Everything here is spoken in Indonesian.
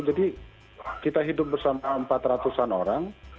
jadi kita hidup bersama empat ratusan orang